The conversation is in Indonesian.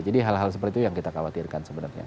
jadi hal hal seperti itu yang kita khawatirkan sebenarnya